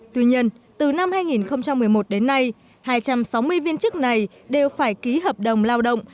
tuy nhiên từ năm hai nghìn một mươi một đến nay hai trăm sáu mươi viên chức này đều phải ký hợp đồng lao động